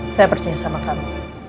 saya percaya sama kamu